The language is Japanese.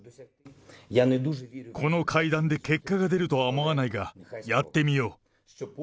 この会談で結果が出るとは思わないが、やってみよう。